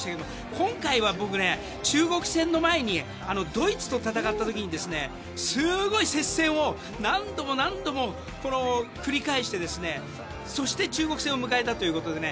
今回は僕、中国戦の前にドイツと戦った時にすごい接戦を何度も何度も繰り返してそして、中国戦を迎えたということでね。